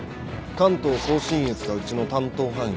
関東甲信越がうちの担当範囲。